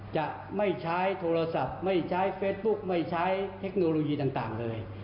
จะไม่ใช้โทรศัพท์ไม่ใช้เฟซบุ๊กไม่ใช้เทคโนโลยีต่างเลย